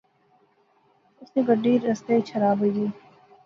اس نی گڈی رستے اچ خراب ہوئی غئی